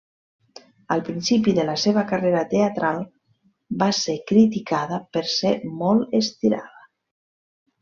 Al principi de la seva carrera teatral, va ser criticada per ser molt estirada.